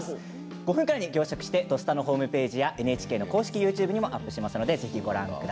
５分くらいに凝縮して「土スタ」のホームページやＮＨＫの公式ＹｏｕＴｕｂｅにアップします。